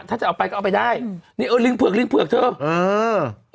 ถ้าจะเอาไปก็เอาไปได้อืมนี่เออลิงเผือกลิงเผือกเธอเออ